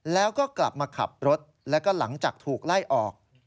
แล้วก็กลับมาขับรถแล้วก็หลังจากถูกไล่ออก